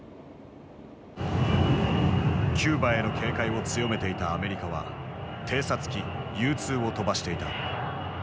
キューバへの警戒を強めていたアメリカは偵察機Ｕ−２を飛ばしていた。